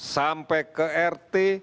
sampai ke rt